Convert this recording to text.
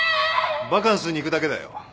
バカンスに行くだけだよ。